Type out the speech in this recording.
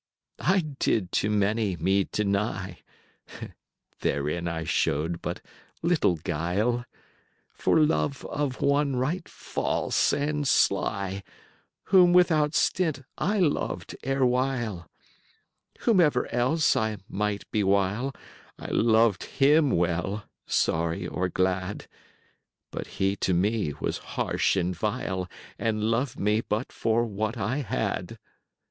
III."I did to many me deny (Therein I showed but little guile) For love of one right false and sly, Whom without stint I loved erewhile. 20 Whomever else I might bewile, I loved him well, sorry or glad: But he to me was harsh and vile And loved me but for what I had. IV.